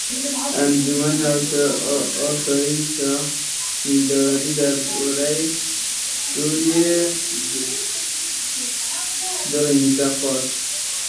Encûmena Asayişa Navdewletî derbarê Sûriyeyê de civiya.